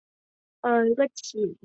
钫的电离能比铯稍高。